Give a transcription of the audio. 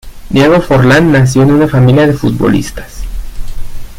Diego Forlán nació en una familia de futbolistas.